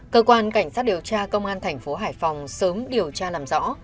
cơ quan cảnh sát điều tra công an thành phố hải phòng sớm điều tra làm rõ